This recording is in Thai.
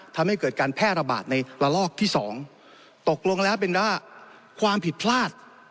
ทำให้เกิดการแพร่ระบาดในระลอกที่สองตกลงแล้วเป็นว่าความผิดพลาด